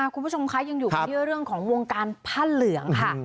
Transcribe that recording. คุณผู้ชมคะยังอยู่กันที่เรื่องของวงการผ้าเหลืองค่ะ